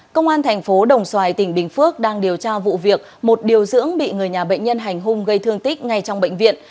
công an thành phố đồng xoài tỉnh bình phước đang điều tra vụ việc một điều dưỡng bị người nhà bệnh nhân hành hung gây thương tích ngay trong bệnh viện